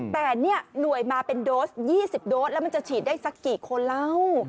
แต่เนี่ยหน่วยมาเป็นโดส๒๐โดสแล้วมันจะฉีดได้สักกี่คนแล้ว